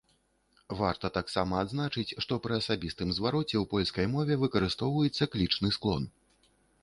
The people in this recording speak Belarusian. Варта таксама адзначыць, што пры асабістым звароце ў польскай мове выкарыстоўваецца клічны склон.